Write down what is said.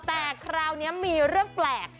แต่คราวนี้มีเรื่องแปลก